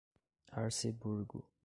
Arceburgo